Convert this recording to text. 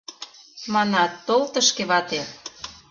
Манат: тол тышке, вате!